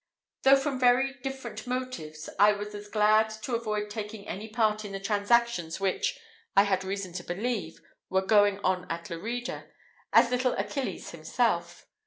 Though from very different motives, I was as glad to avoid taking any part in the transactions which, I had reason to believe, were going on at Lerida, as little Achilles himself.